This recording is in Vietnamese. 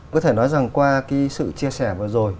có thể nói rằng qua cái sự chia sẻ vừa rồi